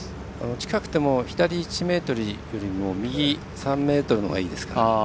近くても左１ｍよりも右３ｍのほうがいいです。